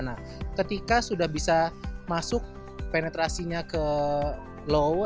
nah ketika sudah bisa masuk penetrasinya ke low